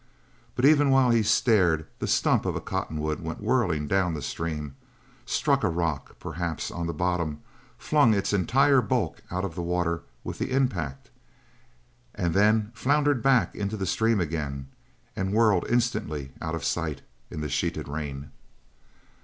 But even while he stared the stump of a cottonwood went whirling down the stream, struck a rock, perhaps, on the bottom, flung its entire bulk out of the water with the impact, and then floundered back into the stream again and whirled instantly out of sight in the sheeted rain.